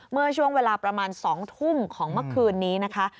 เมื่อช่วงเวลาประมาณ๒ทุ่มของเมื่อคืนนี้นะคะ